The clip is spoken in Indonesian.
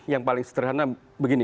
yang paling sederhana begini